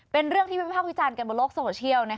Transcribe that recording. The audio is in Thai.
เป็นเรื่องที่เป็นวิทยาลกิจกรรมบนโลกโซเชียล